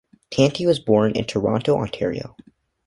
Tanti was born in Toronto, Ontario.